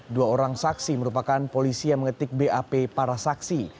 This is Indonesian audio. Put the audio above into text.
dua orang saksi merupakan polisi yang mengetik bap para saksi